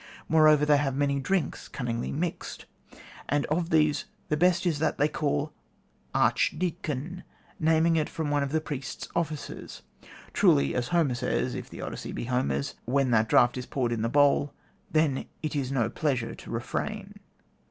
Moreover, they have many drinks, cunningly mixed, and of these the best is that they call Archdeacon, naming it from one of the priests' offices. Truly, as Homer says (if the Odyssey be Homer's), 'when that draught is poured into the bowl then it is no pleasure to refrain.'